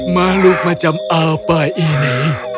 makhluk macam apa ini